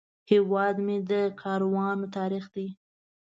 هیواد مې د کاروانو تاریخ دی